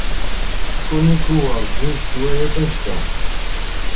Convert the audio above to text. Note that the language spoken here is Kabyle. Kuniko werjin teswi anect-a akk.